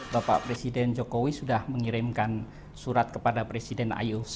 bapak presiden jokowi sudah mengirimkan surat kepada presiden ioc